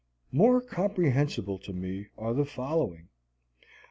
More comprehensible to me are the following.